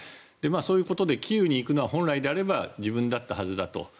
そういうことでキーウに行くのは本来であれば自分だったはずだと。